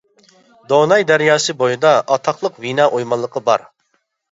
دوناي دەرياسى بويىدا ئاتاقلىق ۋېنا ئويمانلىقى بار.